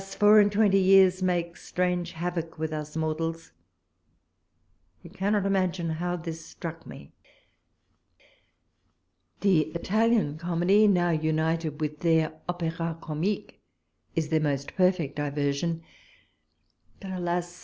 four and twenty years make strange havoc with us mortals I You cannot imagine how this struck me ! The Italian comedy, now united with their npcra comiquc, is their most perfect diversion ; but alas